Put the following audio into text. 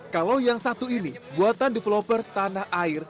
kalau yang satu ini buatan developer tanah air